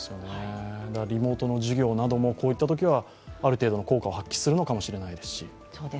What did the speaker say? リモートの授業などもこういったときはある程度の効果を発揮するのかもしれないですし。